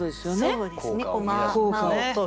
そうですね。